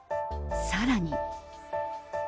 さらに。